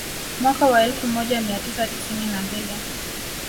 Mwaka wa elfu moja mia tisa tisini na mbili